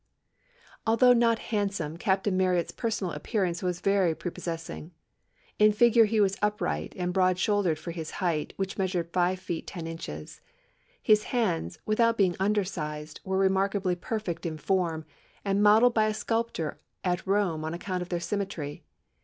] "Although not handsome, Captain Marryat's personal appearance was very prepossessing. In figure he was upright, and broad shouldered for his height, which measured five feet ten inches. His hands, without being under sized, were remarkably perfect in form, and modelled by a sculptor at Rome on account of their symmetry.